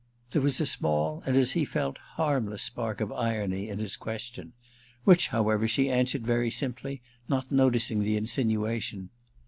There was a small and, as he felt, harmless spark of irony in his question; which, however, she answered very simply, not noticing the insinuation.